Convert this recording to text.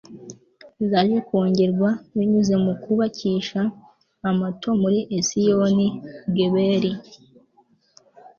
zaje kongerwa binyuze mu kubakisha amato muri esiyoni-geberi